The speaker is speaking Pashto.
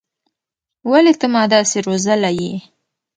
ولې ته ما داسې روزلى يې.